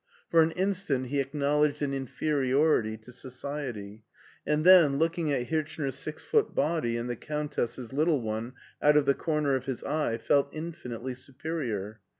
For an instant he acknow< ledged an inferiority to society, and then, looking at Hirchner's six foot body and the Countess's little one out of the comer of his eye, felt infinitely superior.